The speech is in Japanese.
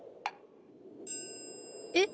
えっ？